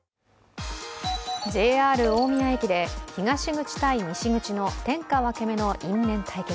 ＪＲ大宮駅で東口対西口の天下分け目の因縁対決。